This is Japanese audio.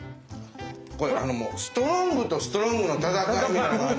これストロングとストロングの戦いみたいな感じ。